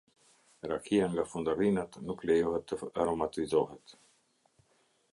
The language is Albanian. Rakia nga fundërrinat nuk lejohet të aromatizohet.